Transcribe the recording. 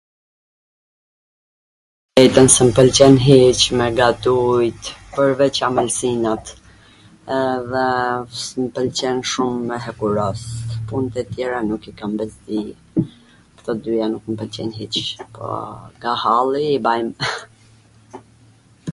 ... s mw pwlqen hiC me gatujt, pwrveC ambwsinat, edhe s mw pwlqen shum me hekuros, punt e tjera nuk i kam bezdi, kto t dyja nuk mw pwlqejn hiC, po nga halli i bajm...